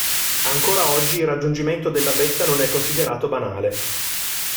Ancora oggi il raggiungimento della vetta non è considerato banale.